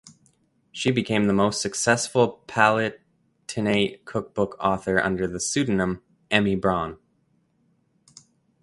She became the most successful Palatinate cookbook author under the pseudonym "Emmy Braun".